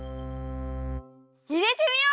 いれてみよう！